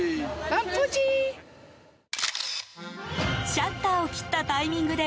シャッターを切ったタイミングで